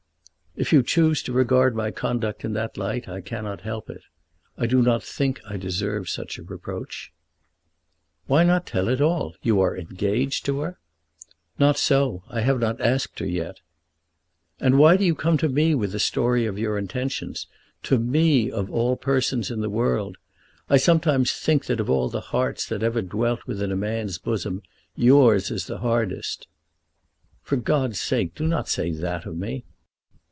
"If you choose to regard my conduct in that light I cannot help it. I do not think that I deserve such reproach." "Why not tell it all? You are engaged to her?" "Not so. I have not asked her yet." "And why do you come to me with the story of your intentions, to me of all persons in the world? I sometimes think that of all the hearts that ever dwelt within a man's bosom yours is the hardest." "For God's sake do not say that of me."